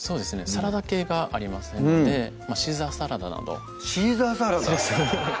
サラダ系がありませんのでシーザーサラダなどシーザーサラダ！